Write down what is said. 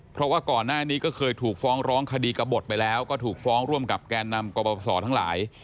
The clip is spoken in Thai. เพราะว่าก่อนหน้านี้ก็เคยถูกฟ้องร้องคดีกระบดไปแล้วก็ถูกฟ้องร่วมกับแกนนำกรปศทั้งหลาย